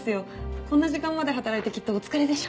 こんな時間まで働いてきっとお疲れでしょ。